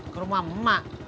ke rumah emak